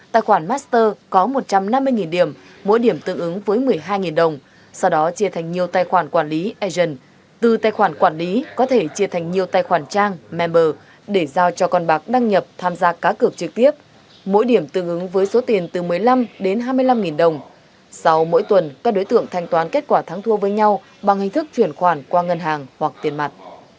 tài khoản master có một trăm năm mươi điểm mỗi điểm tương ứng với một mươi hai đồng sau đó chia thành nhiều tài khoản quản lý agent từ tài khoản quản lý có thể chia thành nhiều tài khoản trang member để giao cho con bạc đăng nhập tham gia cá cực trực tiếp mỗi điểm tương ứng với số tiền từ một mươi năm đến hai mươi năm đồng sau mỗi tuần các đối tượng thanh toán kết quả thắng thua với nhau bằng hình thức chuyển khoản qua ngân hàng hoặc tiền mặt